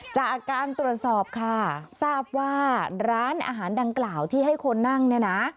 จากการตรวจสอบค่ะทราบว่าร้านอาหารดังกล่าวที่ให้คนนั่งเนี่ยนะ